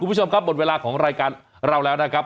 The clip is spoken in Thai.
คุณผู้ชมครับหมดเวลาของรายการเราแล้วนะครับ